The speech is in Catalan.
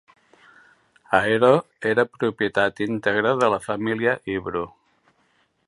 Aero era propietat íntegra de la família Ibru.